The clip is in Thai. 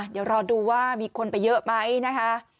เดี๋ยวรอดูว่ามีคนไปเยอะไหมนะคะ